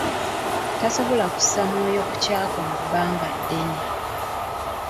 Tasobola kussa mwoyo ku ky'akola bbanga ddene.